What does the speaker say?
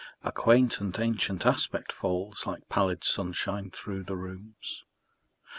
A quaint and ancient aspect falls Like pallid sunshine through the rooms.